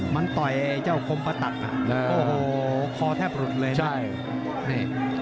มันต่อยเจ้าคมประตักโอ้โหคอแทบหลุดเลยนะ